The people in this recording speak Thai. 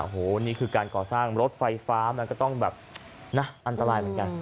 โอ้โหนี่คือการก่อสร้างรถไฟฟ้ามันก็ต้องแบบนะอันตรายเหมือนกัน